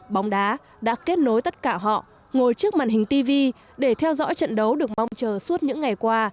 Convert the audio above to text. bóng đá đã kết nối tất cả họ ngồi trước màn hình tv để theo dõi trận đấu được mong chờ suốt những ngày qua